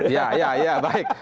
ya ya ya baik